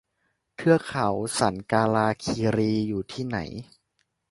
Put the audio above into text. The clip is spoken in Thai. เทือกเขาสันกาลาคีรี อยู่ที่ไหน